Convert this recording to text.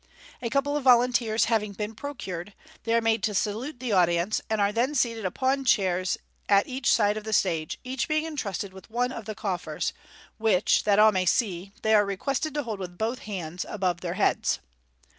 A couple of volunteers having been procured, they are made to salute the audience, and are then seated upon chairs at each side of the stage, each being entrusted with one of the coffers, which, that all may see, they are requested to hold with both hand< above their heads.